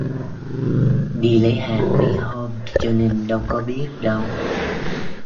Đi lấy hàng mấy hôm cho nên đâu có biết đâu